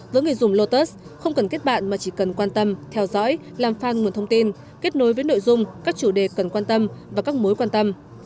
với người dùng lotus không cần kết bạn mà chỉ cần quan tâm theo dõi làm phan nguồn thông tin kết nối với nội dung các chủ đề cần quan tâm và các mối quan tâm